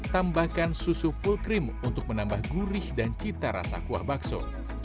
tambahkan susu full cream untuk menambah gurih dan cita rasa kuah bakso